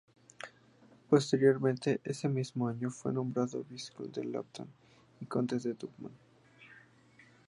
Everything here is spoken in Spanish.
Posteriormente ese mismo año fue nombrado Vizconde de Lambton y Conde de Durham.